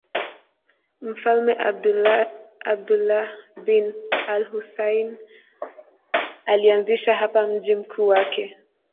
Mfalme Abdullah bin al-Husayn alianzisha hapa mji mkuu wake.